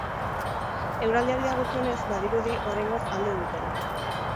Eguraldiari dagokionez, badirudi oraingoz alde dutela.